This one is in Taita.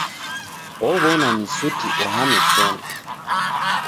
Ow'ona ni suti uhame sena.